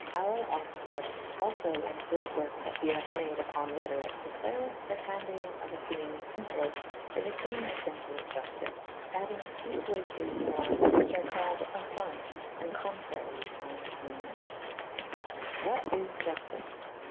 Oure auctour [A vii bj alfo in a grete werke that he hathe made vpon Rhetoryke declareth the handelyng of a theme fymple by the lame example of Jultice, addynge .ii. places mo, whiche ar callyd affynes' and contraries on thzj maner. What is Juftice